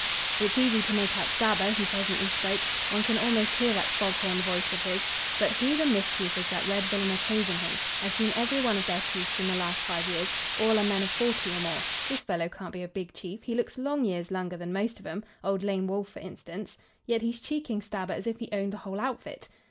"It's easy to make out Stabber," he presently spoke. "One can almost hear that foghorn voice of his. But who the mischief is that red villain opposing him? I've seen every one of their chiefs in the last five years. All are men of forty or more. This fellow can't be a big chief. He looks long years younger than most of 'em, old Lame Wolf, for instance, yet he's cheeking Stabber as if he owned the whole outfit."